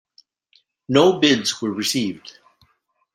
No bids were received.